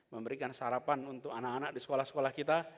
memberikan sarapan untuk anak anak di sekolah sekolah kita